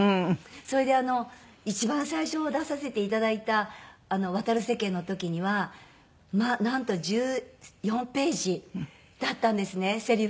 それで一番最初出させていただいた『渡る世間』の時にはなんと１４ページだったんですねせりふ。